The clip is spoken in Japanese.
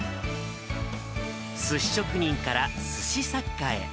すし職人からすし作家へ。